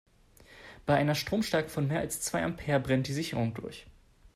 Bei einer Stromstärke von mehr als zwei Ampere brennt die Sicherung durch.